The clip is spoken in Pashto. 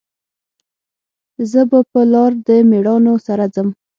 زه به په لار د میړانو سره ځم